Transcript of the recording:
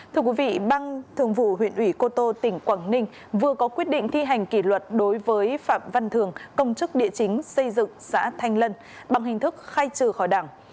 thưa quý vị ban thường vụ huyện ủy cô tô tỉnh quảng ninh vừa có quyết định thi hành kỷ luật đối với phạm văn thường công chức địa chính xây dựng xã thanh lân bằng hình thức khai trừ khỏi đảng